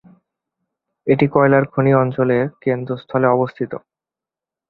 এটি কয়লা খনির অঞ্চলের কেন্দ্রস্থলে অবস্থিত।